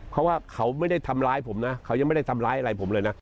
เพราะว่าเขาไม่ได้ทำร้ายผมนะเขายังไม่ได้ทำร้ายอะไรผมเลยนะ